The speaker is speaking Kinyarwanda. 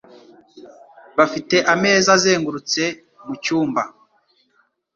Bafite ameza azengurutse mucyumba.